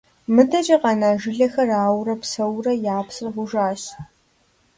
МыдэкӀэ къэна жылэхэр ауэрэ псэуурэ, я псыр гъужащ.